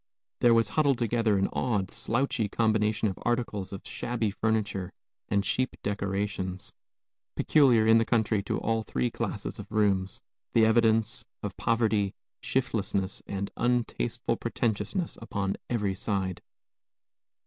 There was huddled together an odd, slouchy combination of articles of shabby furniture and cheap decorations, peculiar, in the country, to all three classes of rooms, the evidences of poverty, shiftlessness, and untasteful pretentiousness upon every side.